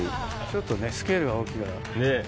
ちょっとねスケールが大きいから。